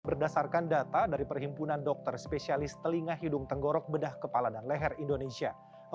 berdasarkan data dari perhimpunan dokter spesialis telinga hidung tenggorok bedah kepala dan leher indonesia